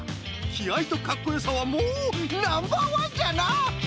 きあいとかっこよさはもうナンバーワンじゃな！